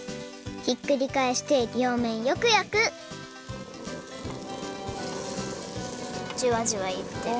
ひっくりかえしてりょうめんよくやくジュワジュワいってる。